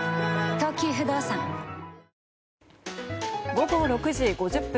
午後６時５０分。